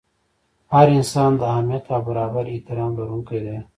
هر انسان د اهمیت او برابر احترام لرونکی دی.